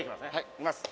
「いきます」